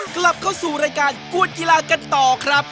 กลับเข้าสู่รายการกวนกีฬากันต่อครับ